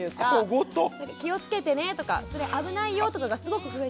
「気をつけてね」とか「それ危ないよ」とかがすごく増えてて。